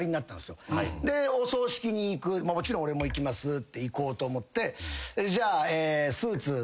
もちろん俺も行きますって行こうと思ってじゃあ。